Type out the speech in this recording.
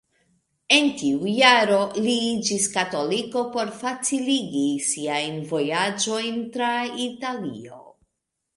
En tiu jaro, li iĝis katoliko por faciligi siajn vojaĝojn tra Italio.